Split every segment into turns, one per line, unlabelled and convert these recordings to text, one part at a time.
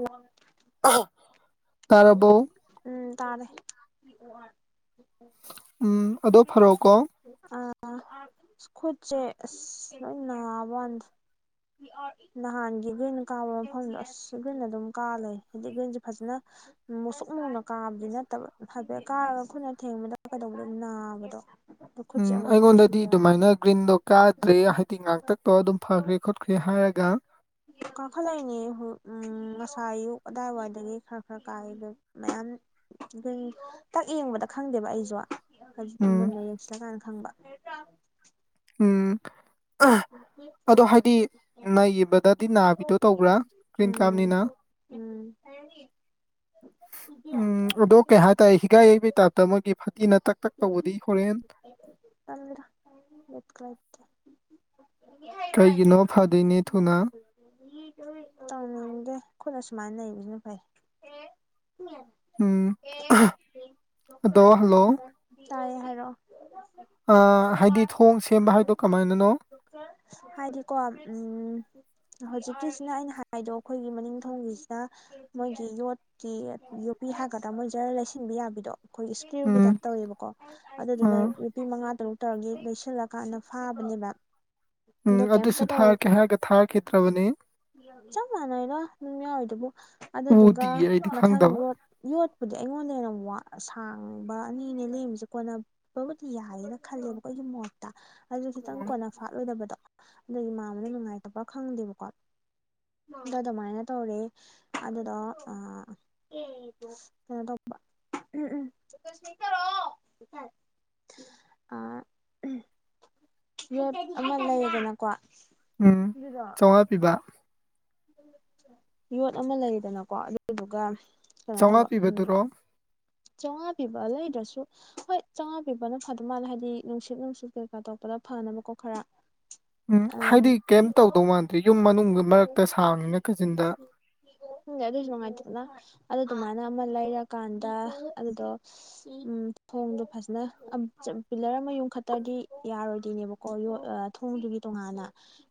ꯎ [unintelligible]
[inaudible]
ꯎꯝ ꯇꯥꯅꯦ
ꯎꯝ ꯑꯗꯣ ꯐꯔꯣꯀꯣ
ꯑ ꯈꯨꯠꯁꯦ ꯑꯁ ꯂꯣꯏ ꯅꯥꯕꯣꯟꯗ꯭ꯔꯦ ꯅꯍꯥꯟꯒꯤ ꯑꯩꯈꯣꯏꯅ ꯀꯥꯕ ꯃꯐꯝꯗꯣ ꯑꯁ ꯑꯩꯈꯣꯏꯅ ꯑꯗꯨꯝ ꯀꯥ ꯂꯩꯦ ꯍꯥꯏꯗꯤ ꯑꯩꯈꯣꯏꯟꯁꯦ ꯐꯖꯅ ꯃꯣꯁꯛ ꯃꯧꯅ ꯀꯥꯕꯗꯤ ꯅꯠꯇꯕ ꯍꯥꯏꯐꯦꯠ ꯀꯥꯔꯒ ꯑꯩꯈꯣꯏꯅ ꯊꯦꯡꯕꯗ ꯀꯩꯗꯧꯕ ꯕꯗꯣ
ꯎꯝ ꯑꯩꯉꯣꯟꯗꯗꯤ ꯑꯗꯨꯃꯥꯏꯅ ꯒ꯭ꯔꯤꯟꯗ ꯀꯥꯗ꯭ꯔꯦ ꯍꯥꯏꯗꯤ ꯉꯥꯛꯇꯛꯇꯣ ꯑꯗꯨꯝ ꯐꯈ꯭ꯔꯦ ꯈꯣꯠꯈ꯭ꯔꯦ ꯍꯥꯏꯔꯒ
ꯀꯥꯈꯠꯂꯛꯏꯅꯦ ꯉꯁꯥꯏ ꯑꯌꯨꯛ ꯑꯗꯥꯏꯋꯥꯏꯗꯒꯤ ꯈꯔ ꯈꯔ ꯀꯥꯏ ꯃꯌꯥꯝ ꯇꯛ ꯌꯦꯡꯕꯗ ꯈꯪꯗꯦꯕ ꯑꯩꯁꯨ ꯖꯤ
ꯎꯝ
ꯃꯨꯟꯅ ꯌꯧꯁꯤꯜꯂ ꯀꯥꯏꯅ ꯈꯪꯕ
ꯎꯝ ꯑꯗꯣ ꯍꯥꯏꯗꯤ ꯅꯩꯕꯗꯗꯤ ꯅꯥꯕꯤꯗꯣ ꯇꯧꯕ꯭ꯔꯥ ꯀ꯭ꯔꯤꯟ
ꯎꯝ
ꯀꯥꯅꯤꯅ
ꯎꯝ ꯑꯦꯅꯤ
ꯎꯝ ꯑꯗꯣ ꯀꯩ ꯍꯥꯏꯇꯥꯔꯦ ꯍꯤꯒꯥꯏ ꯌꯩꯕꯩ ꯇꯥꯏꯞꯇ ꯃꯣꯏꯒꯤ ꯐꯇꯤꯅ ꯇꯛ ꯇꯛ ꯇꯧꯕꯗꯤ ꯍꯣꯔꯦꯟ
ꯇꯜ꯭ꯔꯥ ꯌꯦꯠ ꯀꯥꯏ
ꯀꯩꯒꯤꯅꯣ ꯐꯗꯣꯏꯅꯦ ꯊꯨꯅ
ꯇꯧꯅꯤꯡꯗꯦ ꯈꯨꯠꯅ ꯁꯨꯃꯥꯏꯅ ꯂꯩꯕꯕꯁꯤꯅ ꯐꯩ
ꯎꯝ ꯑꯗꯣ ꯍꯜꯂꯣ
ꯇꯥꯏꯌꯦ ꯍꯥꯏꯔꯣ
ꯍꯥꯏꯗꯤ ꯊꯣꯡ ꯁꯦꯝꯕ ꯍꯥꯏꯗꯣ ꯀꯃꯥꯏꯅꯅꯣ
ꯍꯥꯏꯗꯤꯀꯣ ꯎꯝ ꯍꯧꯖꯤꯛꯀꯤꯁꯤꯅ ꯑꯩꯅ ꯍꯥꯏꯗꯣ ꯑꯩꯈꯣꯏꯒꯤ ꯃꯅꯤꯡꯊꯧꯒꯤꯁꯤꯅ ꯃꯣꯏꯒꯤ ꯌꯣꯠꯀꯤ ꯌꯣꯄꯤ ꯊꯒꯗ꯭ꯔꯥ ꯃꯣꯏ ꯖꯔ ꯂꯩꯁꯤꯟꯕ ꯌꯥꯕꯤꯗꯣ ꯑꯩꯈꯣꯏꯒꯤ ꯏꯁꯀ꯭ꯔꯤꯨꯒꯤ
ꯎꯝ
ꯇꯥꯏꯞ ꯇꯧꯋꯦꯕꯀꯣ
ꯑ
ꯑꯗꯨꯗꯨꯅ ꯅꯨꯄꯤ ꯃꯉꯥ ꯇꯔꯨꯛ ꯇꯧꯔꯒ ꯂꯣꯏꯁꯤꯜꯂꯀꯥꯟꯗ ꯐꯥꯕꯅꯦꯕ
ꯎꯝ
ꯑꯗꯣ ꯀꯩꯝꯇ
ꯑꯗꯨꯁꯨ
ꯇꯧ
ꯊꯥ ꯀꯦ ꯍꯥꯏꯔꯒ ꯊꯥꯈꯤꯗ꯭ꯔꯕꯅꯤ
ꯆꯞ ꯃꯥꯟꯅꯩꯔꯣ ꯅꯨꯡ ꯌꯥꯎꯋꯔꯤꯗꯨꯕꯨ ꯑꯗꯨꯗꯨꯒ
ꯎꯗꯤꯌꯦ ꯑꯩꯗꯤ
ꯃꯊꯪ
ꯈꯪꯗꯕ
ꯌꯣꯠ ꯌꯣꯠꯄꯨꯗꯤ ꯑꯩꯉꯣꯟꯗ ꯍꯦꯟꯅ ꯁꯥꯡꯕ ꯑꯅꯤꯅꯦ ꯂꯃꯤꯁꯦ ꯀꯣꯟꯅ ꯕꯨꯗꯤ ꯌꯥꯏꯌꯦꯅ ꯈꯜꯂꯦꯕꯀꯣ ꯑꯩꯒꯤ ꯃꯣꯠꯇ ꯑꯗꯨꯁꯨ
ꯎꯝ
ꯈꯤꯇꯪ ꯀꯣꯟꯅ ꯐꯥꯠꯂꯣꯏꯗꯕ ꯑꯗꯒꯤ ꯃꯥ ꯑꯃꯗ ꯅꯨꯡꯉꯥꯏꯇꯕ꯭ꯔꯥ ꯈꯪꯗꯦꯕꯀꯣꯗ ꯑꯗꯨꯃꯥꯏꯅ ꯇꯧꯔꯦ ꯑꯗꯨꯗꯣ ꯑ ꯀꯩꯅꯣ ꯇꯝꯕ ꯎꯝ ꯎꯝꯣ ꯑ ꯑꯃ ꯂꯩꯌꯦꯗꯅꯀꯣ
ꯎꯝ ꯆꯥꯝꯉꯥ ꯄꯤꯕ
ꯌꯣꯠ ꯑꯃ ꯂꯩꯗꯅꯀꯣ ꯑꯗꯨꯗꯨꯒ
ꯆꯧꯉꯥ ꯄꯤꯕꯗꯨꯔꯣ
ꯆꯧꯉꯥ ꯄꯤꯕ ꯂꯩꯗ꯭ꯔꯁꯨ ꯍꯣꯏ ꯆꯧꯉꯥ ꯄꯤꯕꯅ ꯐꯗꯧ ꯃꯥꯜꯂꯦ ꯍꯥꯏꯗꯤ ꯅꯨꯡꯁꯤꯠ ꯅꯨꯡꯁꯤꯠ ꯀꯩꯀꯥ ꯇꯧꯔꯛꯄꯗ ꯐꯅꯕꯀꯣ ꯈꯔ
ꯎꯝ ꯍꯥꯏꯗꯤ ꯀꯩꯝ ꯇꯧꯗꯧ ꯃꯥꯟꯗ꯭ꯔꯦ ꯌꯨꯝ ꯃꯅꯨꯡꯗ ꯃꯔꯛꯇ ꯁꯥꯕꯅꯤꯅ ꯀꯥꯆꯤꯟꯗ
ꯈꯪꯗꯦ ꯑꯗꯣꯏꯖꯨ ꯅꯨꯡꯉꯥꯏꯇꯦꯗꯅ ꯑꯗꯨ ꯑꯗꯨꯃꯥꯏꯅ ꯑꯃ ꯂꯩꯔꯀꯥꯟꯗ ꯑꯗꯨꯗꯣ ꯎꯝ ꯊꯣꯡꯗꯣ ꯐꯖꯅ ꯑꯝ ꯆ ꯄꯤꯂꯔ ꯑꯃ ꯌꯨꯝꯈꯠꯇꯔꯗꯤ ꯌꯥꯔꯣꯏꯗꯣꯏꯅꯦꯕꯣ ꯀꯣ ꯌꯣꯠ ꯑꯥ ꯊꯣꯡꯗꯨꯒꯤ ꯇꯣꯉꯥꯟꯅ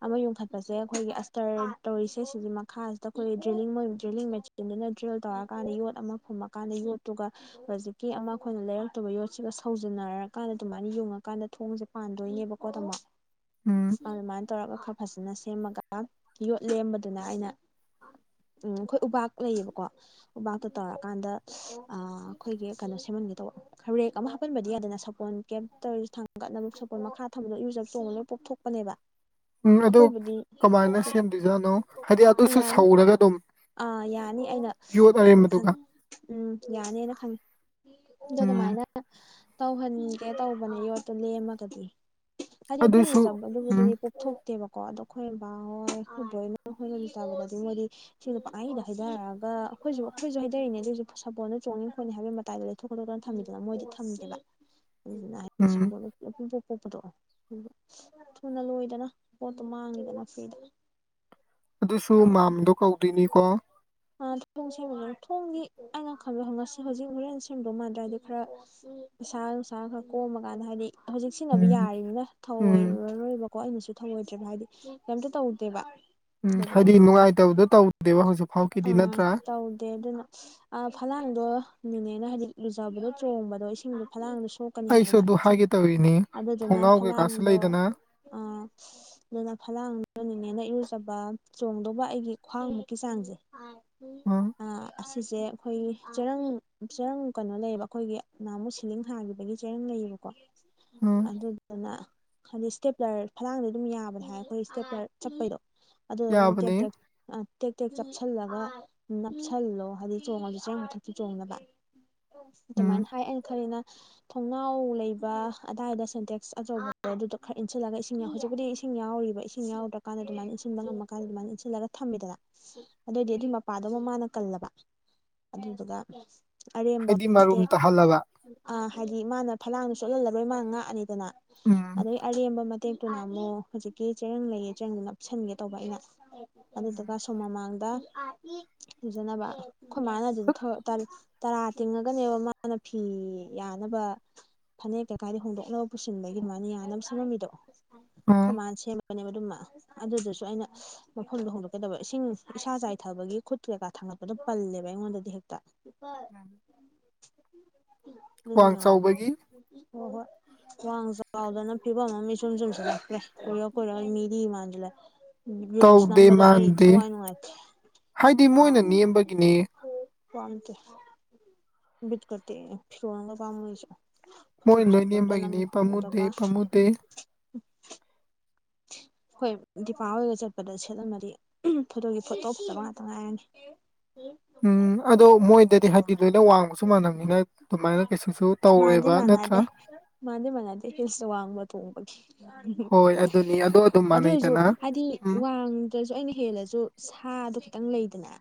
ꯑꯃ ꯌꯣꯟꯈꯠꯄꯁꯦ ꯑꯩꯈꯣꯏꯒꯤ ꯑꯁꯇꯔ ꯇꯧꯔꯤꯁꯦ ꯁꯤꯒꯤ ꯃꯈꯥꯁꯤꯗ ꯑꯩꯈꯣꯏꯒꯤ ꯗ꯭ꯔꯤꯂꯤꯡ ꯗ꯭ꯔꯤꯂꯤꯡ ꯃꯦꯆ ꯗꯨꯅ ꯗ꯭ꯔꯤꯜ ꯇꯧꯔꯀꯥꯟꯗ ꯌꯣꯠ ꯑꯃ ꯐꯨꯝꯃꯀꯥꯟꯗ ꯌꯣꯠꯇꯨꯒ ꯍꯧꯖꯤꯛꯀꯤ ꯑꯃ ꯑꯩꯈꯣꯏꯅ ꯂꯩꯔꯛꯇꯕ ꯌꯣꯠꯁꯤꯒ ꯁꯧꯖꯟꯅꯔꯀꯥꯟꯗ ꯑꯗꯨꯃꯥꯏꯅ ꯌꯨꯡꯉꯀꯥꯟꯗ ꯊꯣꯡꯁꯦ ꯄꯥꯟꯗꯣꯏꯅꯦꯕꯀꯣ ꯇꯥꯃꯣ [inaudible]
ꯎꯝ
ꯑꯗꯨꯃꯥꯏꯅ ꯇꯧꯔꯒ ꯈꯔ ꯐꯖꯅ ꯁꯦꯝꯃꯒ ꯌꯣꯠ ꯂꯦꯝꯕꯗꯨꯅ ꯑꯩꯅ ꯎꯝ ꯑꯩꯈꯣꯏ ꯎꯄꯥꯛ ꯂꯩꯌꯦꯕꯀꯣ ꯎꯄꯥꯛꯥꯛꯇ ꯇꯧꯔꯛꯀꯥꯟꯗ ꯑꯩꯈꯣꯏꯒꯤ ꯀꯩꯅꯣ ꯁꯦꯝꯃꯟꯒꯦ ꯇꯧꯕ ꯔꯦꯛ ꯑꯃ ꯍꯥꯞꯄꯟꯕꯗꯤ ꯌꯥꯗꯅ ꯁꯥꯄꯣꯟ ꯀꯦꯞꯇ ꯑꯣꯏꯔꯖꯨ ꯊꯥꯡꯒꯠꯅꯕ ꯁꯥꯄꯣꯟ ꯃꯈꯥ ꯊꯝꯕꯗꯣ ꯏꯔꯨꯖꯕ ꯆꯣꯡꯕꯗ ꯂꯣꯏ ꯄꯣꯞꯊꯣꯛꯄꯅꯦꯕ
ꯎꯝ ꯑꯗꯨ
ꯑꯈꯣꯏꯕꯨꯗꯤ
ꯀꯃꯥꯏꯅ ꯁꯦꯝꯗꯣꯏꯖꯥꯠꯅꯣ ꯍꯥꯏꯗꯤ ꯑꯗꯨꯁꯨ
ꯌꯥꯅꯤ
ꯁꯧꯔꯒ ꯑꯗꯨꯝ
ꯑꯥ ꯌꯥꯅꯤ ꯑꯩꯅ
ꯌꯣꯠ
ꯁꯁ ꯌꯥꯅꯤ
ꯑꯔꯦꯝꯕꯗꯨꯒ
ꯈꯪꯉꯤ ꯎꯝ ꯌꯥꯅꯦꯅ ꯈꯪꯉꯦ ꯑꯗꯣ
ꯎꯝ
ꯑꯗꯨꯃꯥꯏꯅ ꯍ ꯇꯧꯍꯟꯒꯦ ꯇꯧꯕꯅꯦ ꯌꯣꯠꯇꯨ ꯂꯦꯝꯃꯒꯗꯤ ꯍꯥꯏꯗꯤ ꯑꯩꯈꯣꯏꯅ
ꯑꯗꯨꯁꯨ
ꯂꯨꯖꯕꯗꯨꯕꯨꯗꯤ
ꯎꯝ
ꯊꯣꯛꯇꯦꯕꯀꯣ ꯑꯗꯣ ꯑꯩꯈꯣꯏ ꯕꯥ ꯍꯣꯏ ꯑꯩꯈꯣꯏ ꯕꯣꯛ ꯍꯣꯏꯅ ꯂꯨꯖꯕꯗꯗꯤ ꯃꯣꯏꯗꯤ ꯏꯁꯤꯡꯗꯣ ꯄꯪꯍꯩꯗ ꯍꯩꯗꯔꯒ ꯑꯈꯣꯏꯖꯨ ꯑꯈꯣꯏꯖꯨ ꯍꯩꯗꯔꯤꯅꯦ ꯑꯗꯣꯏꯖꯨ ꯁꯥꯄꯣꯟꯗꯣ ꯆꯣꯡꯅꯤ ꯈꯣꯠꯅꯤ ꯍꯥꯏꯕꯩ ꯃꯇꯥꯏꯗ ꯂꯩꯊꯣꯛ ꯈꯣꯠꯇꯣꯛꯇꯅ ꯊꯝꯃꯤꯗꯅ ꯃꯣꯏꯗꯤ ꯊꯝꯗꯦꯕ ꯑꯗꯨꯗꯨꯅ ꯍꯥꯏꯗꯤ
ꯎꯝ
ꯁꯥꯄꯣꯟꯗꯣ ꯄꯨꯡꯄꯣꯞ ꯄꯣꯞꯄꯗꯣ ꯊꯨꯅ ꯂꯣꯏꯗꯅ ꯄꯣꯠꯇꯣ ꯃꯥꯡꯉꯤꯗꯅ ꯐ꯭ꯔꯤꯗ
ꯑꯗꯨꯁꯨ ꯃꯥꯝꯗꯣ ꯀꯧꯗꯣꯏꯅꯤꯀꯣ
ꯊꯨꯡ ꯁꯦꯝꯃꯤꯅꯦꯅ ꯊꯣꯡꯅꯤ ꯑꯩꯅ ꯈꯟꯕꯗ ꯍꯧ ꯉꯁꯤ ꯍꯨꯖꯤꯛ ꯍꯣꯔꯦꯟ ꯁꯦꯝꯗꯧ ꯃꯥꯟꯗ꯭ꯔꯦ ꯍꯥꯏꯗꯤ ꯈꯔ ꯄꯩꯁꯥ ꯅꯨꯡꯁꯥ ꯈꯔ ꯀꯣꯝꯃ ꯀꯥꯟꯗ ꯍꯥꯏꯗꯤ ꯍꯧꯖꯤꯛ ꯁꯤꯖꯤꯟꯅꯕ
ꯎꯝ
ꯌꯥꯔꯤꯃꯤꯅ
ꯎꯝ
ꯊꯑꯣꯏꯔꯔꯣꯏꯕ ꯀꯣ ꯑꯩꯅꯁꯨ ꯊꯧꯑꯣꯏꯗ꯭ꯔꯦꯕ ꯍꯥꯏꯗꯤ ꯀꯩꯝꯇ ꯇꯧꯗꯦꯕ
ꯎꯝ
ꯑꯗꯨꯅ
ꯍꯥꯏꯗꯤ ꯅꯨꯡꯉꯥꯏꯇꯕꯗꯣ ꯇꯧꯗꯦꯕ ꯍꯧꯖꯤꯛ ꯐꯥꯎꯒꯤꯗꯤ ꯅꯠꯇ꯭ꯔꯥ
ꯑꯥ ꯇꯧꯗꯦ ꯑꯗꯨꯅ ꯑꯥ ꯐꯂꯥꯡꯗꯣ ꯅꯤꯅꯦꯅ ꯍꯥꯏꯗꯤ ꯂꯨꯖꯕꯗꯣ ꯆꯣꯡꯕꯗꯣ ꯏꯁꯤꯡꯗꯣ ꯐꯂꯥꯡꯗ ꯁꯣꯛ ꯀꯅꯤ
ꯑꯩꯁꯨ
ꯍꯥꯏꯗꯅ
ꯑꯗꯨ
ꯏꯁꯤꯡ
ꯍꯥꯏꯒꯦ ꯇꯧꯔꯤꯅꯤ
ꯑꯗꯨꯗꯨꯅ
ꯊꯣꯡꯅꯥꯎ ꯀꯩꯀꯥꯁꯨ
ꯐꯂꯥꯡꯗꯣ
ꯂꯩꯗꯅ
ꯑꯥ ꯑꯗꯨꯅ ꯐꯂꯥꯡ ꯗꯣ ꯅꯤꯅꯦꯅ ꯏꯔꯨꯖꯕ ꯆꯣꯡꯗꯧꯕ ꯑꯩꯒꯤ ꯈ꯭ꯋꯥꯡꯃꯨꯛꯀꯤ ꯆꯥꯡꯖꯦ
ꯂꯧꯁꯤꯟꯕ ꯉꯝꯗꯕ
ꯑꯁꯤꯁꯦ ꯑꯩꯈꯣꯏꯒꯤ ꯆꯦꯔꯪ ꯆꯦꯔꯪ ꯀꯩꯅꯣ ꯂꯩꯌꯦꯕ ꯑꯩꯈꯣꯏꯒꯤ ꯅꯍꯥꯃꯨꯛ ꯁꯤꯂꯤꯡ ꯍꯥꯒꯤꯕꯒꯤ ꯆꯦꯔꯪ ꯂꯩꯌꯦꯕꯀꯣ
ꯎꯝ
ꯑꯗꯨꯗꯨꯅ ꯍꯥꯏꯗꯤ ꯏꯁꯇꯦꯞ꯭ꯂꯔ ꯐꯂꯥꯡꯗꯤ ꯑꯗꯨꯝ ꯌꯥꯕꯅꯦ ꯍꯥꯏ ꯑꯩꯈꯣꯏ ꯏꯁꯇꯦꯞꯄꯂꯔ ꯆꯠꯄꯩꯗꯣ ꯑꯗꯨꯗꯨꯅ ꯇꯦꯛ
ꯌꯥꯕꯅꯦ
ꯇꯦꯛ ꯑꯥ ꯇꯦꯛ ꯇꯦꯛ ꯆꯞꯁꯜꯂꯒ ꯅꯞꯁꯜꯂꯣ ꯍꯥꯏꯗꯤ ꯆꯣꯡꯉꯖꯨ ꯆꯦꯔꯪ ꯃꯊꯛꯀꯤ ꯆꯣꯡꯅꯕ ꯑꯗꯨꯃꯥꯏꯅ
ꯎꯝ
ꯍꯥꯏ ꯑꯩꯅ ꯈꯜꯂꯤꯅ ꯊꯣꯡꯅꯥꯎ ꯂꯩꯕ ꯑꯗꯥꯏꯗ ꯁꯦꯟꯇꯦꯛꯁ ꯑꯆꯧꯕꯗꯣ ꯑꯗꯨꯗꯣ ꯈꯔ ꯏꯟꯁꯤꯜꯂꯒ ꯏꯁꯤꯡ ꯌꯥꯎ ꯍꯧꯖꯤꯛꯄꯨꯗꯤ ꯏꯁꯤꯡ ꯌꯥꯎꯔꯤꯕ ꯏꯁꯤ ꯏꯁꯤꯡ ꯌꯥꯎꯗ꯭ꯔꯀꯥꯟꯗ ꯑꯗꯨꯃꯥꯏꯅ ꯏꯟꯁꯤꯟꯕ ꯉꯃꯀꯥꯟꯗ ꯑꯗꯨꯃꯥꯏꯅ ꯏꯟꯁꯤꯜꯂꯒ ꯊꯝꯃꯦꯗꯅ ꯑꯗꯨꯑꯣꯏꯗꯤ ꯑꯗꯨꯏ ꯃꯄꯥꯗꯨꯃꯥ ꯃꯥꯅ ꯀꯜꯂꯕ ꯑꯗꯨꯗꯨꯒ ꯑꯔꯦꯝꯕ
ꯍꯥꯏꯗꯤ ꯃꯔꯨꯝ
ꯃꯇꯦꯛ
ꯇꯥꯍꯜꯂꯕ
ꯑꯥ ꯍꯥꯏꯗꯤ ꯃꯥꯅ ꯐꯂꯥꯡꯗꯣ ꯆꯣꯠꯍꯜꯂꯔꯣꯏ ꯃꯥꯅ ꯉꯥꯛꯑꯅꯤꯗꯅ
ꯎꯝ
ꯑꯗꯩ ꯑꯔꯦꯝꯕ ꯇꯦꯛꯇꯨꯅ ꯑꯃꯨꯛ ꯍꯨꯖꯤꯛꯀꯤ ꯆꯔꯪ ꯂꯩꯌꯦ ꯆꯦꯔꯪꯗꯨ ꯅꯞꯁꯟꯒꯦ ꯇꯧꯕ ꯑꯩꯅ
ꯎꯝ
ꯑꯗꯨꯗꯨꯒ ꯑꯁꯣꯝ ꯃꯃꯥꯡꯗ ꯂꯨꯖꯅꯕ ꯑꯈꯣꯏ ꯃꯥꯅ ꯑꯗꯨꯗ ꯊꯣꯛ ꯇꯥꯗꯤ ꯇꯔꯥ ꯇꯤꯡꯉꯒꯅꯦꯕ ꯃꯥꯅ ꯐꯤ ꯌꯥꯅꯕ ꯐꯅꯦꯛ ꯀꯩ ꯀꯥꯏꯗꯩ ꯍꯣꯡꯗꯣꯛꯅꯕ ꯄꯨꯁꯤꯟꯕꯒꯤ ꯑꯗꯨꯃꯥꯏꯅ ꯌꯥꯟꯅꯕ ꯁꯦꯝꯃꯝꯃꯤꯗꯣ ꯑꯈꯣꯏ
ꯎꯝ
ꯃꯥꯅ ꯁꯦꯝꯃ ꯄꯅꯦꯕ ꯑꯗꯨꯃ ꯑꯗꯨꯗꯨꯁꯨ ꯑꯩꯅ ꯃꯐꯝꯗꯣ ꯍꯣꯡꯗꯣꯛꯀꯗꯕ ꯏꯁꯤꯡ ꯏꯁꯥ ꯆꯥꯏꯊꯕꯒꯤ ꯈꯨꯠ ꯀꯩꯀꯥ ꯊꯥꯡꯒꯠꯄꯗ ꯄꯜꯂꯦꯕ ꯑꯩꯉꯣꯟꯗꯗꯤ ꯍꯦꯛꯇ
ꯎꯝ ꯆꯥꯎꯕꯒꯤ
ꯑꯣ ꯍꯣꯏ ꯋꯥꯡ ꯆꯥꯎꯗꯅ ꯐꯤꯕꯝ ꯑꯃ ꯏꯁ ꯁꯨꯝ ꯁꯨꯝꯁꯤꯜꯂꯛ꯭ꯔꯦ ꯀꯣꯏꯔ ꯀꯣꯏꯏꯔꯒ ꯃꯤꯗꯤ ꯃꯥꯟꯁꯤꯂ ꯜꯁ
ꯇꯧꯗꯦ
ꯅꯝꯕꯗꯣ ꯑꯩ
ꯃꯥꯟꯗꯦ
ꯊꯋꯥꯏ ꯅꯨꯡꯉꯥꯏꯇꯦ ꯑ
ꯀꯅꯦ
ꯄꯝ ꯠꯀꯇ ꯐꯔꯒ ꯐꯥꯝꯁ
ꯃꯣꯏ ꯅꯣꯏ ꯅꯦꯝꯕꯒꯤꯅꯤ ꯄꯥꯝꯃꯨꯗꯦ ꯄꯥꯝꯃꯨꯗꯦ
ꯍꯣꯏ ꯗꯤꯄꯥ ꯍꯣꯏꯒ ꯆꯠꯄꯗ ꯁꯦꯠꯂꯝꯃꯗꯤ ꯎꯝ ꯐꯣꯇꯣꯒꯤ ꯐꯣꯇꯣ ꯐꯖꯕ ꯉꯥꯛꯇ ꯉꯥꯏꯔꯅꯤ
ꯎꯝ ꯑꯗꯣ ꯃꯣꯏꯗꯗꯤ ꯍꯥꯏꯗꯤ ꯂꯣꯏꯅ ꯋꯥꯡꯕꯁꯨ ꯃꯥꯟꯅꯕꯝꯅꯤꯅ ꯑꯗꯨꯃꯥꯏꯅ ꯀꯩꯁꯨꯁꯨ ꯇꯧꯔꯣꯏꯕ ꯅꯠꯇ꯭ꯔꯥ
ꯃꯥꯥꯟꯗꯤ ꯃꯥꯟꯅꯗꯦꯍꯦ ꯏꯁ ꯋꯥꯡꯕ ꯇꯣꯡꯕꯒꯤ
ꯍꯣꯏ ꯑꯗꯨꯅꯤ ꯑꯗꯣ ꯑꯗꯨꯝ
ꯑꯗꯨ ꯑꯣꯏꯖꯨ
ꯃꯥꯟꯅꯩꯗꯅ
ꯍꯥꯏꯗꯤ
ꯎꯝ
ꯋꯥꯡ ꯇꯔꯖꯨ ꯑꯩꯅ ꯍꯦꯜꯂꯖꯨ ꯁꯥꯗꯣ ꯈꯤꯇꯪ ꯂꯩꯗꯅ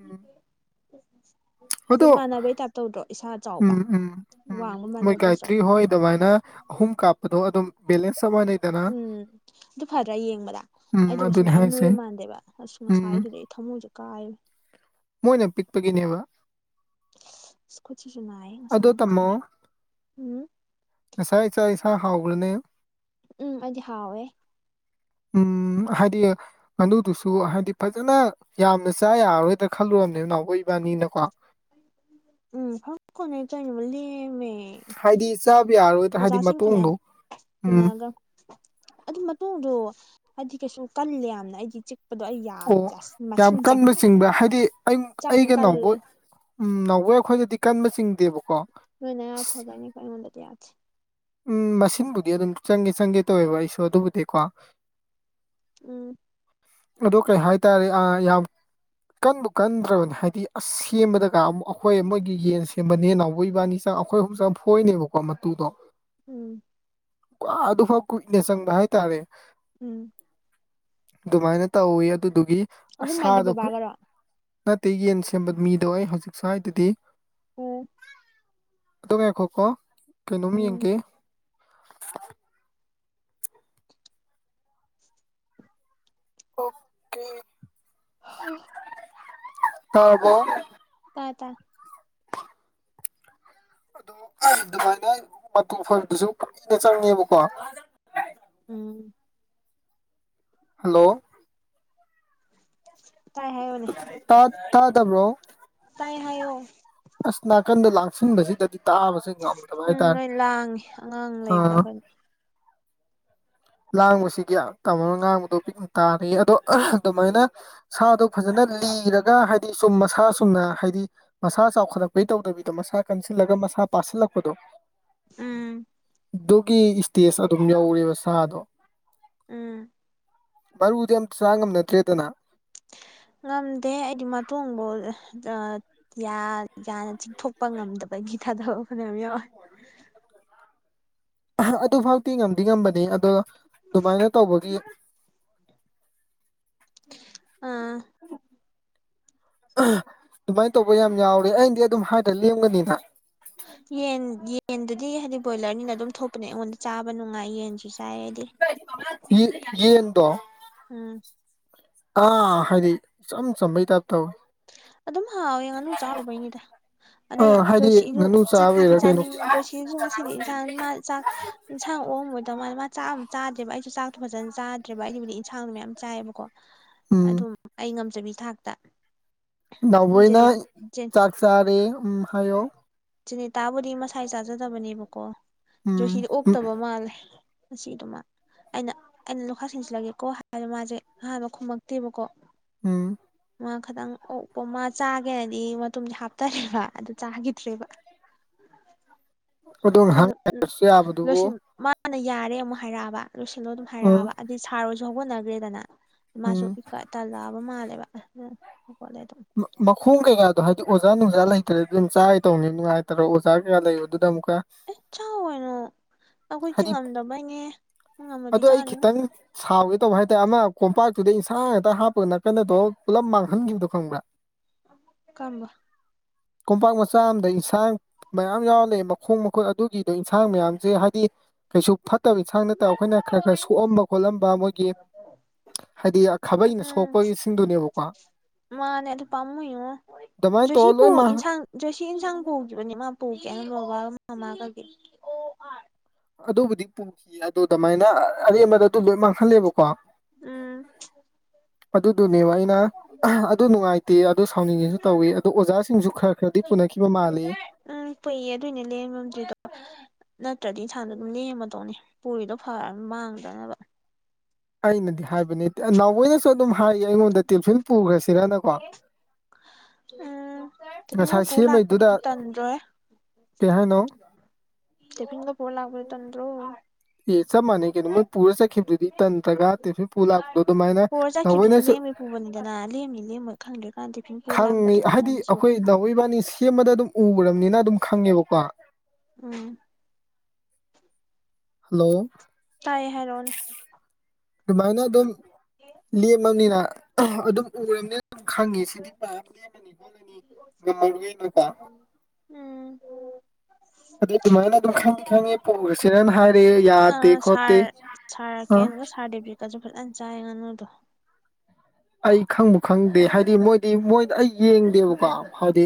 ꯎꯝ
ꯎ
ꯑꯗꯣ
ꯆꯥꯎꯕ
ꯎꯝ ꯎꯝ ꯎꯝ
ꯋꯥꯡꯕ
ꯃꯣꯏ
ꯃꯥꯟꯅꯗ꯭ꯔꯁꯨ
ꯀꯥꯏꯇ꯭ꯔꯤ ꯍꯣꯏ ꯑꯗꯨꯃꯥꯏꯅ ꯑꯍꯨꯝ ꯀꯥꯞꯄꯗꯣ ꯑꯗꯨꯝ ꯕꯦꯂꯦꯟꯁ ꯑꯃꯅ
ꯎꯝ ꯑꯗꯨ ꯐꯗ꯭ꯔꯥ ꯌꯦꯡꯕꯗ
ꯎꯝ
ꯑꯩꯗꯨꯒꯁꯨ
ꯑꯗꯨꯅꯦ
ꯃꯌꯥꯝ
ꯍꯥꯏꯁꯦ
ꯅꯣꯏꯕ ꯃꯥꯟꯗꯦꯕ ꯑꯁ
ꯎꯝ
ꯉꯁꯥꯏꯒꯤꯗꯨꯗꯤ ꯃꯣꯛꯀꯥꯑ
ꯃꯣꯏꯅ ꯄꯤꯛꯄꯒꯤꯅꯦꯕ
ꯁ꯭ꯀꯨꯇꯤꯖꯅ ꯑꯩ
ꯑꯗꯣ
ꯑꯁꯥꯡꯈꯠꯈ꯭ꯔꯦ
ꯉꯁꯥ ꯏꯁꯥ ꯏꯁꯥ ꯍꯥꯎꯕ꯭ꯔꯅꯦ
ꯎꯝ ꯑꯖꯤꯍꯥꯎꯦ
ꯎꯝ ꯍꯥꯏꯗꯤ ꯉꯥꯅꯨꯗꯨꯁꯨ ꯍꯥꯏꯗꯤ ꯐꯖꯅ ꯌꯥꯝꯅ ꯆꯥ ꯌꯥꯔꯔꯣꯏ ꯑꯝꯇ ꯈꯜꯂꯨꯔꯕꯅꯦꯕ ꯅꯥꯎ ꯏꯕꯥꯅꯤꯅꯀꯣ
ꯎꯝ ꯐꯪ ꯀꯣꯅꯦ ꯇꯩꯅꯕ ꯂꯦꯃꯦ
ꯍꯥꯏꯗꯤ ꯆꯥꯕ ꯌꯥꯔꯣꯏꯗ꯭ꯔꯥ ꯍꯥꯏꯗꯤ
ꯑꯣꯖꯥꯁꯤꯡ ꯐꯅꯌꯥꯝ
ꯃꯇꯣꯡꯗꯣ ꯎꯝ
ꯄꯨꯅꯔꯒ ꯑꯗꯨ ꯃꯇꯨꯡꯗꯣ ꯍꯥꯏꯗꯤ ꯀꯩꯁꯨ ꯀꯜꯂꯦ ꯌꯥꯝꯅ ꯑꯩꯗꯤ ꯑꯩ ꯌꯥ
ꯑꯣ ꯌꯥꯝ
ꯃꯁꯤꯡ ꯆꯪ
ꯀꯟꯕ ꯆꯤꯡꯕ ꯍꯥꯏꯗꯤ ꯑꯩ
ꯆꯪ
ꯑꯩꯒꯅꯥꯎꯕꯨ
ꯀꯜꯂꯦ
ꯎꯝ ꯅꯥꯎꯋꯦ ꯑꯩꯈꯣꯏꯗꯗꯤ ꯀꯟꯕ ꯆꯤꯡꯗꯦꯕꯀꯣ
ꯅꯣꯏꯅ ꯐꯕ ꯍꯥꯏꯅꯤꯀꯣ ꯑꯩꯉꯣꯟꯗꯗꯤ ꯌꯥꯗ꯭ꯔꯦ
ꯎꯝ ꯃꯁꯤꯡꯕꯨꯗꯤ ꯑꯗꯨꯝ ꯆꯪꯒꯦ ꯆꯪꯒꯦ ꯇꯧꯋꯦꯕ ꯑꯩꯁꯨ ꯑꯗꯨꯕꯨꯗꯤꯀꯣ
ꯎꯝ
ꯑꯗꯨ ꯀꯩ ꯍꯥꯏꯇꯥꯔꯦ ꯌꯥꯝ ꯀꯟꯕꯨ ꯀꯟꯗ꯭ꯔꯕꯅꯤ ꯍꯥꯏꯗꯤ ꯑꯁ ꯁꯦꯝꯕꯗꯒ ꯑꯃꯨꯛ ꯑꯩꯈꯣꯏ ꯃꯣꯏꯒꯤ ꯌꯦꯟ ꯁꯦꯝꯕꯅꯦ ꯅꯥꯎꯕ ꯏꯕꯥꯅꯤ ꯆꯥꯡꯈ ꯑꯩꯈꯣꯏ ꯍꯧꯣꯡꯆꯥ ꯐꯣꯏꯅꯦꯕꯀꯣ ꯃꯇꯨꯗꯣ
ꯎꯝ
ꯑꯗꯨꯐꯥꯎ ꯀꯨꯏꯅ ꯆꯪꯕ ꯍꯥꯏꯇꯥꯔꯦ
ꯎꯝ
ꯑꯗꯨꯃꯥꯏꯅ ꯇꯧꯋꯤ ꯑꯗꯨꯗꯨꯒꯤ
ꯑꯍꯨꯝ ꯍꯥꯏꯗꯤ
ꯑꯁꯥꯗꯣ ꯐ
ꯕꯕꯥꯒꯔꯣ
ꯅꯠꯇꯦ ꯌꯦꯟ ꯁꯦꯝꯕ ꯃꯤꯗꯣ ꯑꯩ ꯍꯧꯖꯤꯛ ꯁ꯭ꯋꯥꯏꯗꯗꯤ
ꯑꯣ
ꯑꯗꯨꯝ ꯌꯥꯏꯈꯣ ꯀꯣ ꯀꯩꯅꯣꯝ
ꯎꯝ
ꯌꯦꯡꯒꯦ ꯑꯣꯀꯦ
ꯍꯨ
ꯇꯕꯣ
ꯇꯥꯢ ꯇꯥꯢ
ꯑꯗꯨ ꯑꯗꯨꯃꯥꯏꯅ ꯃꯇꯨ ꯐꯣꯢꯕꯗꯨꯁꯨ ꯀꯨꯏꯅ ꯆꯪꯉꯦꯕꯀꯣ
ꯎꯝ
ꯍꯜꯂꯣ
ꯇꯥꯏ ꯍꯥꯏꯌꯣꯅꯦ
ꯇꯥ ꯇꯥ ꯇꯥꯗꯕ꯭ꯔꯣ
ꯇꯥꯏ ꯍꯥꯢꯌꯣ
ꯑꯁ ꯅꯥꯀꯟꯗ ꯂꯥꯛꯁꯤꯟꯕꯁꯤꯗ ꯇꯥꯕꯁꯦ ꯉꯝꯗꯕ
ꯎꯝ
ꯍꯥꯏꯇꯥꯔꯦ
ꯅꯣꯏ ꯂꯥꯡꯉꯦ ꯑꯉꯥꯡ ꯂꯩꯕ꯭ꯔꯥ
ꯑꯥ
ꯀꯩꯅꯣ
ꯂꯥꯡꯕꯁꯤꯒꯤ ꯇꯥꯃꯣꯅ ꯉꯥꯡꯕꯗꯣ ꯄꯤꯛꯅ ꯇꯥꯔꯦ ꯑꯗꯣ ꯑꯗꯨꯃꯥꯏꯅ ꯁꯥꯗꯣ ꯐꯖꯅ ꯂꯤꯔꯒ ꯍꯥꯏꯗꯤ ꯆꯨꯝ ꯃꯁꯥ ꯆꯨꯝꯅ ꯍꯥꯏꯗꯤ ꯃꯁꯥ ꯆꯥꯎꯈꯠꯂꯛꯄꯩ ꯇꯧꯗꯕꯤꯗꯣ ꯃꯁꯥ ꯀꯟꯁꯤꯜꯂꯒ ꯃꯁꯥ ꯄꯥꯁꯤꯜꯂꯛꯄꯗꯣ
ꯎꯝ
ꯑꯗꯨꯒꯤ ꯏꯁꯇꯦꯖ ꯑꯗꯨꯝ ꯌꯧꯦꯕ ꯁꯥꯗꯣ
ꯎꯝ
ꯃꯔꯕꯥꯨꯗꯤ ꯌꯥꯝ ꯆꯥ ꯉꯝꯅꯗ꯭ꯔꯦꯗꯅ
ꯉꯝꯗꯦ ꯑꯩꯗꯤ ꯃꯇꯣꯡꯕꯨ ꯌꯥꯅ ꯆꯤꯡꯊꯣꯛꯄ ꯉꯝꯗꯕꯒꯤ ꯊꯥꯗꯕ ꯐꯅꯌꯥꯝ ꯌꯥꯎꯋꯦ
ꯑꯗꯨ ꯐꯥꯎꯗꯤꯤ ꯉꯝꯗꯤ ꯉꯝꯕꯅꯤ ꯑꯗꯣ ꯑꯗꯨꯃꯥꯏꯅ ꯇꯧꯕꯒꯤ
ꯑꯥ
ꯑꯗꯨꯃꯥꯏꯅ ꯇꯧꯕ ꯌꯥꯝ ꯌꯥꯎꯔꯦ ꯑꯩꯅꯗꯤ ꯑꯗꯨꯝ ꯍꯥꯏꯗꯔ ꯂꯦꯝꯒꯅꯤꯅ
ꯌꯦꯟ ꯌꯦꯟꯗꯨꯗꯤ ꯍꯥꯏꯗꯤ ꯕꯣꯏꯂꯔꯅꯤꯅ ꯑꯗꯨꯝ ꯊꯣꯛꯄꯅꯦ ꯑꯩꯉꯣꯟꯗ ꯆꯥꯕ ꯅꯨꯡꯉꯥꯏ ꯌꯦꯟꯁꯤꯁꯨ
ꯌꯦꯟꯗꯣ
ꯎꯝ
ꯑꯥ ꯍꯥꯏꯗꯤ ꯏꯆꯝ ꯆꯝꯕꯩ ꯇꯥꯏꯞ ꯇꯧꯋꯤ
ꯑꯗꯨꯝ ꯍꯥꯎꯦ ꯉꯥꯅꯨ ꯆꯥꯔꯨꯕꯩꯅꯤꯗ ꯑꯗꯩ
ꯑꯥ ꯍꯥꯏꯗꯤ
ꯖꯣꯏꯁꯤꯁꯨ
ꯉꯥꯅꯨ
ꯆꯥꯗꯤ
ꯆꯥꯕꯩꯔꯥ ꯀꯩꯅꯣ
ꯆꯥꯅꯤꯡꯉꯤ ꯖꯣꯏꯁꯤꯁꯨ ꯉꯁꯤꯗꯤ ꯏꯟꯁꯥꯡ ꯃꯥ ꯆꯥꯛ ꯏꯟꯁꯥꯡ ꯑꯣꯝꯑꯝꯃꯣꯏꯗꯧ ꯃꯥꯝꯂꯦ ꯃꯥ ꯆꯥꯛ ꯑꯝ ꯆꯥꯗ꯭ꯔꯦꯕ ꯑꯩꯁꯨ ꯆꯥꯛꯇꯣ ꯐꯖꯅ ꯆꯥꯗ꯭ꯔꯦꯕ ꯑꯩꯒꯤꯕꯨꯗꯤ ꯏꯟꯁꯥꯡꯗꯣ ꯃꯌꯥꯝ ꯆꯥꯏꯑꯦꯕꯀꯣ
ꯎꯝ
ꯑꯗꯨꯝ ꯑꯩ ꯉꯝꯖꯕꯤ ꯊꯥꯛꯇ
ꯅꯥꯎꯕꯣꯢꯅ
ꯖꯦꯅꯤ ꯖꯦꯟ
ꯆꯥꯛ ꯆꯥꯔꯦ ꯑꯝ ꯍꯥꯢꯌꯣ
ꯆꯤꯅꯤꯇꯥꯕꯨꯗꯤ ꯃꯁꯥꯏ ꯆꯥꯖꯗꯕꯅꯦꯕꯀꯣ
ꯎꯝ
ꯖꯣꯁꯤꯗꯤ
ꯎꯝ
ꯑꯣꯛꯇꯕ ꯃꯥꯜꯂꯦ ꯉꯁꯤꯗꯨ ꯃꯥ ꯑꯩꯅ ꯑꯩꯅ ꯂꯣꯛꯈꯥꯛ ꯁꯤꯟꯁꯤꯜꯂꯒꯦꯀꯣ ꯍꯥꯏꯕ ꯃꯥꯁꯦ ꯑꯍꯥꯟꯕ ꯈꯨꯝꯃꯛꯇꯦꯕꯀꯣ
ꯎꯝ
ꯃꯥ ꯈꯤꯗꯪ ꯑꯣ ꯄꯣꯃꯥ ꯆꯥꯒꯦꯏꯗꯤ ꯃꯇꯨꯝꯗꯤ ꯍꯥꯞꯇꯔꯦꯕ ꯑꯗꯨ ꯆꯥꯈꯤꯗ꯭ꯔꯦꯕ
ꯑꯗꯣ ꯉꯥꯏꯍꯥꯛ
ꯀꯂ
ꯉꯥꯏꯔꯁꯨ
ꯂꯣꯁ
ꯌꯥꯕꯗꯨꯕꯨ
ꯃꯥ [inaudible] ꯃꯅꯥ ꯌꯥꯔꯦ ꯑꯃꯨꯛ ꯍꯥꯏꯔꯛꯑꯕ ꯂꯣꯏꯁꯤꯜꯂꯣ ꯑꯗꯨꯝ
ꯎꯝ
ꯍꯥꯏꯔꯛꯑꯕ ꯑꯗꯨꯗꯤ ꯁꯥꯔ ꯍꯣꯏꯁꯨ ꯍꯧꯒꯠꯅꯈ꯭ꯔꯦꯗꯅ ꯃꯥꯁꯨ
ꯎꯝ
ꯇꯂꯛꯑꯕ ꯃꯥꯜꯂꯦꯕ ꯑꯗ ꯍꯧꯊꯠꯂꯦ ꯑꯗꯨꯝ
ꯃꯈꯣꯡ ꯀꯩꯒꯗꯣ ꯍꯥꯏꯗꯤ ꯑꯣꯖꯥ ꯅꯨꯡꯖꯥ ꯂꯩꯇ꯭ꯔꯗꯤ ꯑꯗꯨꯝ ꯆꯥꯒꯦ ꯇꯧꯅꯤ ꯅꯨꯡꯉꯥꯏꯇ꯭ꯔ ꯑꯣꯖꯥ ꯀꯌꯥ ꯂꯩꯕꯗꯨꯗ ꯑꯃꯨꯛꯀ
ꯑꯦ ꯆꯥꯎ ꯀꯩꯅꯣ ꯑꯩꯈꯣꯏ ꯆꯤꯛ ꯉꯝꯗꯕꯩꯅꯦ
ꯑꯗꯨꯗ ꯑꯩ ꯈꯤꯇꯪ ꯁꯥꯎꯒꯦ ꯇꯧꯕ ꯍꯥꯏꯇꯥꯔꯦ ꯑꯃ ꯀꯣꯝꯄꯥꯛꯇꯨꯗ ꯏꯟꯥꯡ ꯍꯦꯛꯇ ꯍꯥꯞꯄꯒꯅ ꯀꯩꯅꯣꯗꯣ ꯄꯨꯂꯞ ꯃꯥꯡꯍꯟꯈꯤꯕꯗꯣ ꯈꯪꯕ꯭ꯔꯥ
ꯀꯔꯝꯕ
ꯀꯣꯝꯄꯥꯛ ꯃꯆꯥ ꯑꯃꯗ ꯏꯟꯁꯥꯡ ꯃꯌꯥꯝ ꯌꯥꯎꯔꯝꯃꯦ ꯃꯈꯣꯡ ꯃꯈꯨꯠ ꯑꯗꯨꯒꯤꯗꯣ ꯏꯟꯁꯥꯡ ꯃꯌꯥꯝꯁꯦ ꯍꯥꯏꯗꯤ ꯀꯩꯁꯨ ꯐꯠꯇꯕ ꯏꯟꯁꯥꯡ ꯅꯠꯇꯕ ꯑꯩꯈꯣꯏꯅ ꯈꯔ ꯈꯔ ꯁꯣꯛꯑꯝꯕ ꯈꯣꯠꯂꯝꯕ ꯃꯣꯏꯒꯤ ꯍꯥꯏꯗꯤ ꯈꯥꯕꯩꯅ
ꯎꯝ
ꯁꯣꯛꯄꯒꯤꯁꯤꯡꯗꯨꯅꯦꯕꯀꯣ
ꯃꯥꯅꯦ ꯄꯝꯃꯨꯢꯉꯣ
ꯑꯗꯨꯃꯥꯏꯅ
ꯖꯣꯢꯁꯤ
ꯇꯧꯔ ꯂꯣꯏ ꯃꯥꯡ
ꯏꯟꯁꯥꯡ ꯖꯣꯏꯁꯤ ꯏꯟꯁꯥꯡ ꯄꯨꯈꯤꯕꯅꯤ ꯃꯥ ꯄꯨꯒꯦꯅ ꯍꯥꯏꯅ ꯕꯕꯥꯒ ꯃꯃꯥꯒꯒꯤ
ꯑꯗꯨꯕꯨꯗꯤ ꯄꯨꯈꯤꯌꯦ ꯑꯗꯨ ꯑꯗꯨꯃꯥꯏꯅ ꯑꯔꯦꯝꯕꯗ ꯑꯗꯨ ꯂꯣꯏ ꯃꯥꯡꯍꯜꯂꯦꯕꯀꯣ
ꯎꯝ
ꯑꯗꯨꯗꯨꯅꯦꯕ ꯑꯩꯅ ꯑꯗꯨ ꯅꯨꯡꯉꯥꯏꯇꯦ ꯑꯗꯨ ꯁꯥꯎꯅꯤꯡꯉꯦꯁꯨ ꯇꯧꯏꯤ ꯑꯗꯣ ꯑꯣꯖꯥꯁꯤꯡꯁꯨ ꯈꯔ ꯈꯔꯗꯤ ꯄꯨꯅꯈꯤꯕ ꯃꯥꯜꯂꯤ
ꯅꯪ ꯄꯏꯌꯦ ꯑꯗꯨꯏꯅꯦ ꯂ ꯃꯝꯗ꯭ꯔꯤꯗꯣ ꯅꯠꯇ꯭ꯔꯗꯤ ꯏꯟꯁꯥꯡꯗꯣ ꯑꯗꯨꯝ ꯂꯦꯝꯃꯗꯧꯅꯦ ꯄꯨꯔꯤꯗꯣ ꯐꯔꯒ ꯃꯥꯡꯗꯅꯕ
ꯑꯩꯅꯗꯤ ꯍꯥꯏꯕꯅꯦ ꯅꯥꯎꯕꯣꯏꯅꯁꯨ ꯑꯗꯨꯝ ꯍꯥꯏꯌꯦ ꯑꯩꯉꯣꯟꯗ ꯇꯦꯂꯤꯐꯤꯤꯟ ꯄꯨꯈ꯭ꯔꯁꯤꯔꯅꯀꯣ ꯉꯁꯥꯏ
ꯎꯝ ꯣ ꯂꯥꯛꯄꯗꯨꯗꯤ ꯇꯟꯗ꯭ꯔꯣꯦ
ꯀꯍꯅꯣ
ꯗꯦꯐꯤꯟꯒ ꯐꯣꯣꯔ ꯂꯥꯛꯕ ꯇꯟꯣ
ꯑꯦ ꯆꯞ ꯃꯥꯟꯅꯩ ꯀꯩꯅꯣ ꯃꯣꯏ ꯄꯨꯔꯒ ꯆꯠꯈꯤꯕꯗꯨꯗꯤ ꯇꯟ꯭ꯔꯒ ꯇꯦꯟꯐ ꯄꯨ ꯂꯥꯛꯄꯗꯣ ꯑꯗꯨꯃꯥꯏꯅ
ꯄꯨꯔ ꯆꯠꯈꯤꯕꯗꯨꯗꯤ
ꯅꯥꯎꯕꯣꯏꯅꯁꯨ
ꯂꯦꯝꯕꯩ ꯄꯨꯕꯅꯤꯗꯅ ꯂꯦꯝꯅꯤ ꯂꯦꯝꯃꯣꯏ ꯈꯪꯗ꯭ꯔꯤꯀꯥꯟ ꯇꯤꯐꯤꯟ ꯄꯨ
ꯈꯪꯉꯤ
ꯂꯥꯛꯄꯗꯨꯗꯤ
ꯍꯥꯏꯗꯤ
ꯅꯪꯁꯨ
ꯑꯩꯈꯣꯏ ꯅꯥꯎꯕꯣꯢ ꯏꯕꯥꯅꯤ ꯁꯦꯝꯕꯗ ꯑꯗꯨꯝ ꯎꯈ꯭ꯔꯕꯅꯤꯅ ꯑꯗꯨꯝ ꯈꯪꯉꯦꯕꯀꯣ
ꯎꯝ
ꯍꯜꯂꯣ
ꯇꯥꯢꯌꯦ ꯍꯥꯏꯔꯛꯑꯣꯅꯦ
ꯑꯗꯨꯃꯥꯏꯅ ꯑꯗꯨꯝ ꯂꯦꯝꯃꯕꯅꯤꯅ ꯑꯗꯨꯝ ꯎꯔꯕꯅꯤꯅ ꯈꯪꯉꯤ ꯁꯤꯗꯤ ꯄꯥꯞ ꯂꯦꯝꯃꯅꯤ ꯈꯣꯂꯅꯤ ꯉꯝꯃꯔꯅꯀꯣ [inaudible]
ꯎꯝ
ꯑꯗꯨꯗꯩ ꯑꯗꯨꯃꯥꯏꯅ ꯑꯗꯨꯝ ꯈꯪꯉꯦ ꯈꯪꯉꯦ ꯄꯨꯈ꯭ꯔꯁꯤꯅꯅ ꯍꯥꯏꯔꯑꯦ ꯌꯥꯗꯦ ꯈꯣꯠꯇꯦ
ꯁꯥꯔꯛꯀꯦ
ꯑ
ꯑꯗꯨꯒ ꯁꯥꯔꯇꯤꯐꯤꯀꯦꯠꯁꯨ ꯐꯖꯅ ꯆꯥꯏ ꯉꯥꯅꯨꯗꯣ
ꯑꯩ ꯈꯪꯕꯨ ꯈꯪꯗꯦ ꯍꯥꯏꯗꯤ ꯃꯣꯏꯗꯤ ꯃꯣꯏꯗ ꯑꯩ ꯌꯦꯡꯗꯦꯕꯀꯣ ꯍꯥꯏꯗꯤ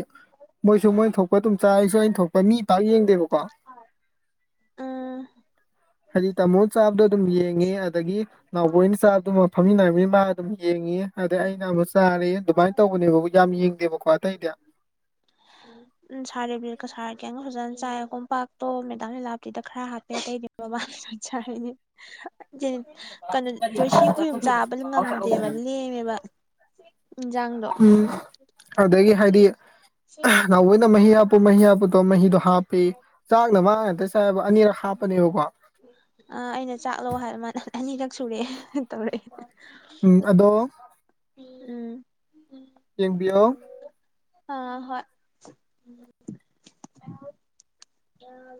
ꯃꯣꯏꯁꯨ ꯃꯣꯏ ꯊꯣꯛ ꯄꯣꯠꯇꯨꯝ ꯆꯥꯔꯤꯁꯨ ꯑꯩꯅ ꯊꯣꯛꯄ ꯃꯤ ꯄꯥꯛ ꯌꯦꯡꯗꯦꯕꯀꯣ
ꯎꯝ
ꯍꯥꯏꯗꯤ ꯇꯥꯃꯣ ꯁꯥꯕꯗꯣ ꯑꯗꯨꯝ ꯌꯦꯡꯉꯦ ꯑꯗꯒꯤ ꯅꯥꯎꯕꯅ ꯆꯥꯕꯗꯨꯃ ꯐꯝꯃꯤꯟꯅꯔꯕꯅꯤꯅ ꯃꯥ ꯑꯗꯨꯝ ꯌꯦꯡꯉꯤ ꯑꯗ ꯑꯩꯅ ꯑꯃꯨ ꯆꯥꯔꯦ ꯑꯗꯨꯃꯥꯏꯅ ꯇꯧꯕꯅꯦꯕꯕꯨ ꯌꯥꯝ ꯌꯦꯡꯗꯦꯕꯀꯣ ꯑꯇꯩꯗꯤ
[unintelligible] ꯎꯝ ꯁꯥꯔꯦ ꯁꯥꯔꯒꯦꯒ ꯐꯖꯅ ꯆꯥꯏ ꯀꯣꯝꯄꯥꯛꯇꯣ ꯃꯦꯗꯥꯝ ꯂꯤꯂꯥꯞꯇꯤꯗ ꯈꯔ ꯍꯥꯞꯄꯦ ꯑꯇꯩꯗꯤ ꯕꯥ ꯆ ꯀꯩꯅꯣ ꯖꯣꯏꯁꯤ ꯈꯨꯌꯨꯝ ꯆꯥꯕ ꯉꯝꯗꯦꯕ ꯂꯦꯝꯃꯦꯕ ꯎ ꯗꯣ
ꯎꯝ ꯑꯗꯨꯗꯒꯤ ꯍꯥꯏꯗꯤ ꯅꯍꯣꯏꯅ ꯃꯍꯤ ꯍꯥꯞꯄꯨ ꯃꯍꯤ ꯍꯥꯞꯄꯨꯗꯣ ꯃꯍꯤꯗꯣ ꯍꯥꯞꯄꯤ ꯆꯥꯛꯅ ꯃꯥꯡꯉꯇ ꯆꯕ ꯑꯅꯤꯔꯛ ꯍꯥꯞꯄꯅꯦꯕꯀꯣ
ꯑꯥ ꯑꯩꯅ ꯆꯥꯛꯂꯣ ꯍꯥꯏ ꯑꯅꯤꯈꯛ ꯁꯨꯔꯦꯑꯦ ꯇꯧꯔꯛꯑꯦ
ꯎꯝ ꯑꯗꯣ
ꯎꯝ
ꯌꯦꯡꯕꯤꯌꯣ
ꯑ ꯍꯣꯏ ꯑ